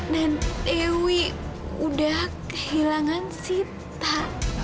dan dewi udah kehilangan sita